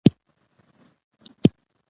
یا د مشارکت رابطه جوړوي